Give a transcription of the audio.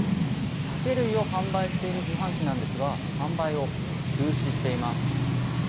酒類を販売している自販機なんですが販売を中止しています。